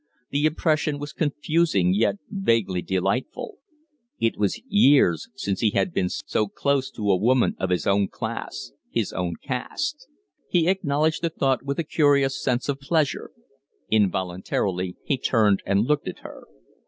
The impression was confusing yet vaguely delightful. It was years since he had been so close to a woman of his own class his own caste. He acknowledged the thought with a curious sense of pleasure. Involuntarily he turned and looked at her.